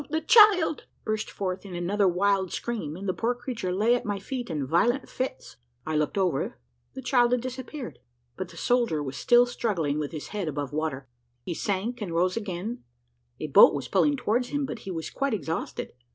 the child!" burst forth in another wild scream, and the poor creature lay at my feet in violent fits. I looked over, the child had disappeared; but the soldier was still struggling with his head above water. He sank and rose again a boat was pulling towards him, but he was quite exhausted.